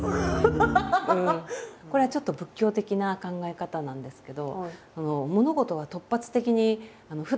これはちょっと仏教的な考え方なんですけど。